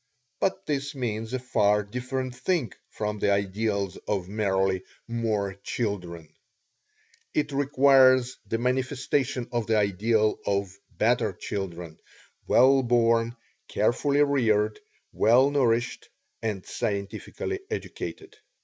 But this means a far different thing from the ideal of merely "more children" it requires the manifestation of the ideal of "better children," well born, carefully reared, well nourished, and scientifically educated.